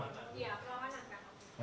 iya pelawanan kan